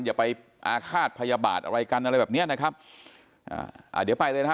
อย่าไปอาฆาตพยาบาทอะไรกันอะไรแบบเนี้ยนะครับอ่าอ่าเดี๋ยวไปเลยนะฮะ